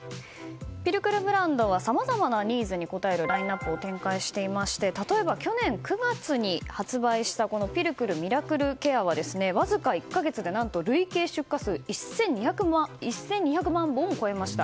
ピルクルブランドはさまざまなニーズに応えるラインアップを展開していまして例えば去年９月に発売したピルクルミラクルケアはわずか１か月で累計出荷数１２００万本を超えました。